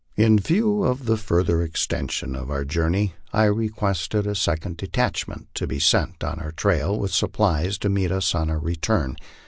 In view of the further extension of our jour ,ney, I requested a second detachment to be sent on our trail, with supplies, to meet us on our return.